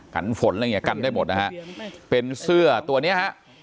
กันฝนอะไรเงี้ยกันได้หมดนะครับเป็นเสื้อตัวนี้ฮะ